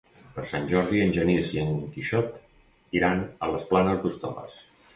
Per Sant Jordi en Genís i en Quixot iran a les Planes d'Hostoles.